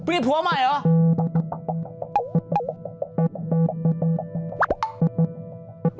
มีผัวใหม่เหรอ